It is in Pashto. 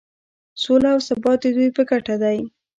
سوله او ثبات د دوی په ګټه دی.